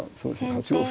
８五歩。